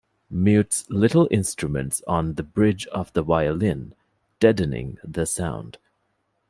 Mutes little instruments on the bridge of the violin, deadening the sound.